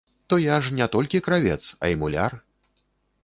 То я ж не толькі кравец, а і муляр.